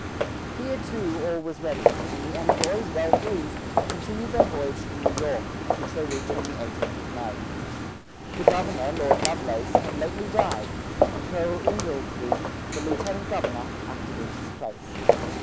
Here too, all was ready, and the envoys, well pleased, continued their voyage to New York, which they reached on the eighteenth of May. The governor, Lord Lovelace, had lately died, and Colonel Ingoldsby, the lieutenant governor, acted in his place.